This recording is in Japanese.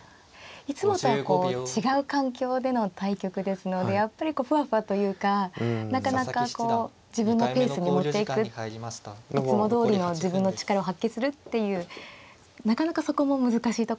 いつもとは違う環境での対局ですのでやっぱりこうふわふわというかなかなかこう自分のペースに持っていくいつもどおりの自分の力を発揮するっていうなかなかそこも難しいところですね。